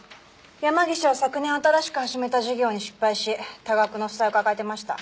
山岸は昨年新しく始めた事業に失敗し多額の負債を抱えてました。